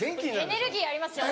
エネルギーありますよね。